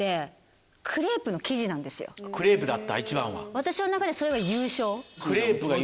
私の中でそれが。